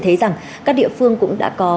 thấy rằng các địa phương cũng đã có